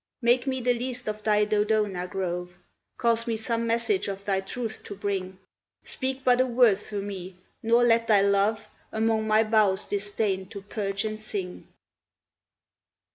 Make me the least of thy Dodona grove, Cause me some message of thy truth to bring, Speak but a word through me, nor let thy love Among my boughs disdain to perch and sing.